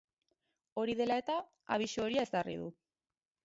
Hori dela eta, abisu horia ezarri du.